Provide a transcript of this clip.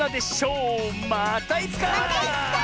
またいつか！